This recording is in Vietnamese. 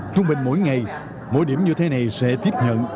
trung bình mỗi ngày mỗi điểm như thế này sẽ tiếp nhận